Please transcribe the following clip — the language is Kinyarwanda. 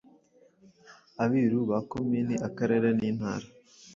Abiru ba Komini Akarere n,intara